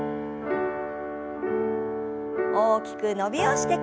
大きく伸びをしてから。